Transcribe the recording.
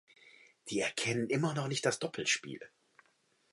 Die erkennen noch immer nicht das Doppelspiel.